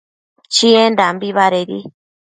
Chiendambi badedi